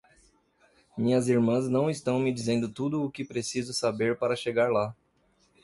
Minhas irmãs não estão me dizendo tudo o que preciso saber para chegar lá.